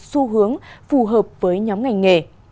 xu hướng phù hợp với nhóm ngành nghề